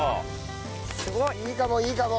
すごい！いいかもいいかも。